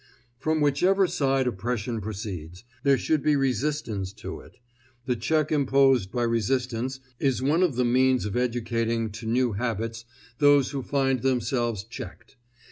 From whichever side oppression proceeds, there should be resistance to it; the check imposed by resistance is one of the means of educating to new habits those who find themselves checked.